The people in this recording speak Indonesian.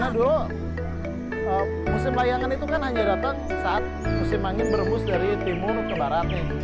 ya itu karena doang musim layangan itu kan hanya datang saat musim angin berhubus dari timur ke barat nih